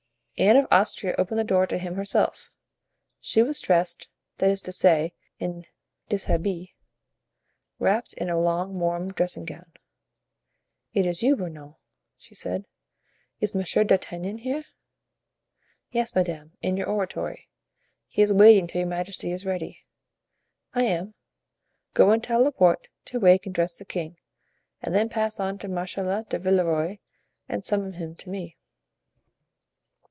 Anne of Austria opened the door to him herself. She was dressed, that is to say, in dishabille, wrapped in a long, warm dressing gown. "It is you, Bernouin," she said. "Is Monsieur d'Artagnan there?" "Yes, madame, in your oratory. He is waiting till your majesty is ready." "I am. Go and tell Laporte to wake and dress the king, and then pass on to the Marechal de Villeroy and summon him to me."